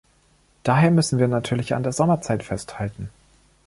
Daher müssen wir natürlich an der Sommerzeit festhalten.